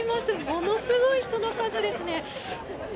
ものすごい人の数ですね。